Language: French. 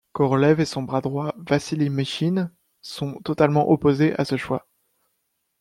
Korolev et son bras droit Vassili Michine sont totalement opposés à ce choix.